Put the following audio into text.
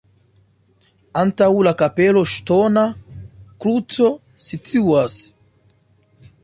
Antaŭ la kapelo ŝtona kruco situas.